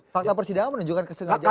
fakta persidangan menunjukkan kesengajaan